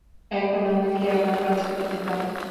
এখন আমাকে আমার কাজ করতে দাও।